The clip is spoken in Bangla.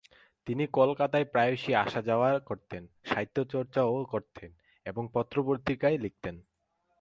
তিনি কলকাতায় প্রায়শই আসা-যাওয়ার করতেন, সাহিত্যচর্চাও করতেন এবং পত্র পত্রিকায় লিখতেন।